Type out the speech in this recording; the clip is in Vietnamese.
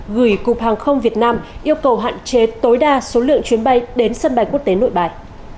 gửi cục hàng không việt nam yêu cầu hạn chế tối đa số lượng chuyến bay đến sân bay quốc tế nội bài